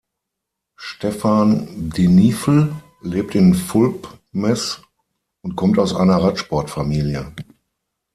Stefan Denifl lebt in Fulpmes und kommt aus einer Radsportfamilie.